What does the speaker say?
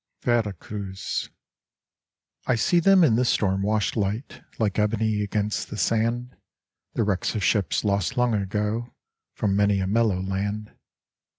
Vera Cruz I see them in the storm washed light Like ebony against the sand, The wrecks of ships lost long ago From many a mellow land.